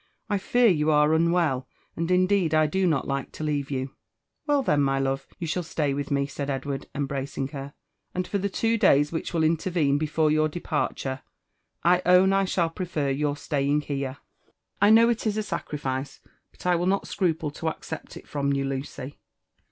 I fear you are unwell, ^ and indeed I do not like to leave you." "Well then, my love, you shall slay with me," said Edward, embracing her; "and for the two days which will intervene before your departure, I own I should prefer your staying here. I know it is a sacrifice ; but I will not scruplle to accept it from you, Lucy."